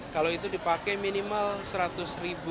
kalau itu dipakai minimal seratus ribu